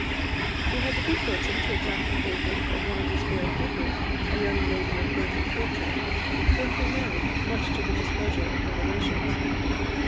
He had the good fortune to attract the favour of one of his fair pupils a young lady of birth and fortune whom he married, much to the displeasure of her relations.